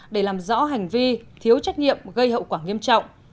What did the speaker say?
để làm rõ hành vi thiếu trách nhiệm gây hậu quả nghiêm trọng